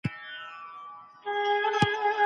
تاسي په خپلو ملګرو کي ریښتیني ملګري یاست.